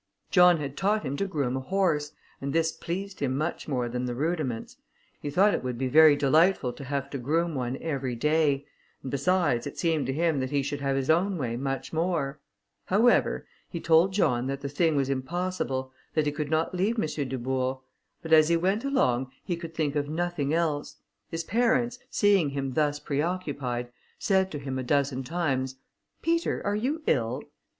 John had taught him to groom a horse, and this pleased him much more than the Rudiments; he thought it would be very delightful to have to groom one every day, and, besides, it seemed to him that he should have his own way much more. However, he told John that the thing was impossible; that he could not leave M. Dubourg; but as he went along he could think of nothing else. His parents, seeing him thus preoccupied, said to him a dozen times, "Peter, are you ill?"